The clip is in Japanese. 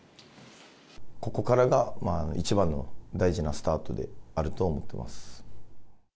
ここからがここからが大事なスタートであると思ってます。